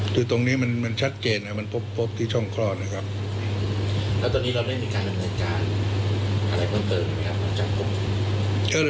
คือตรงนี้มันชัดเจนพบที่ช่องคล่อ